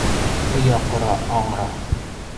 Оя ҡора, аңра.